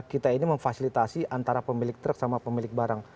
kita ini memfasilitasi antara pemilik truk sama pemilik barang